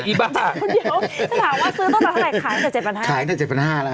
เดี๋ยวถ้าถามว่าซื้อเท่าไหร่ขายตั้งแต่๗๕๐๐บาท